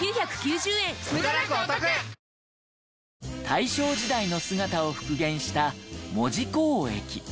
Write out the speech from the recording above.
大正時代の姿を復原した門司港駅。